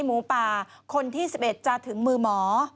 หมูป่าคนที่๑๑จะถึงมือหมอ